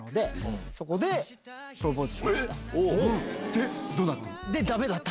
でどうなったの？